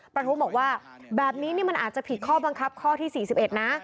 ประทุ้งบอกว่าแบบนี้นี่มันอาจจะผิดข้อบังคับข้อที่๔๑นะ